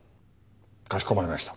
かしこまりました。